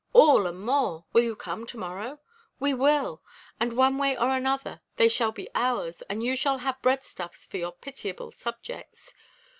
"All and more. Will you come to morrow?" "We will! and one way or another they shall be ours and you shall have breadstuffs for your pitiable subjects.